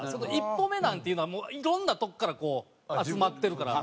１歩目なんていうのはもういろんなとこからこう集まってるから。